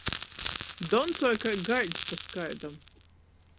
Doncoj kai gaiļs pa skaidom.